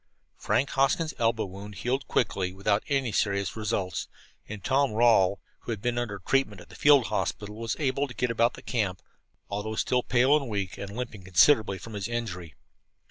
Frank Hoskins' elbow wound healed quickly, without any serious results; and Tom Rawle, who had been under treatment at the field hospital, was able to get about the camp, although still pale and weak, and limping considerably from his injury.